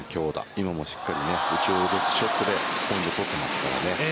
今もしっかり打ち下ろすショットでポイント取ってますからね。